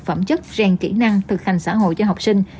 phẩm chất rèn kỹ năng thực hành xã hội cho học sinh